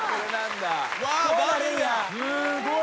すごい。